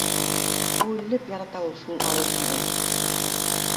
Үлеп ярата ул шул ауыл ҡыҙын